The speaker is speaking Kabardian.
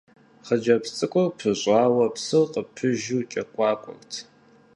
Хъыджэбз цӀыкӀур пӀыщӀауэ, псыр къыпыжу кӀэкуакуэрт.